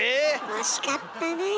惜しかったねえ。